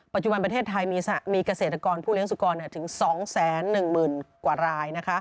ประเทศไทยมีเกษตรกรผู้เลี้ยสุกรถึง๒๑๐๐๐กว่าราย